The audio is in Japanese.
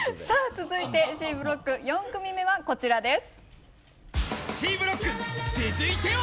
続いてＣブロック４組目はこちらです。